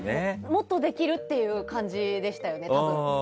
もっとできるっていう感じでしたよね、多分。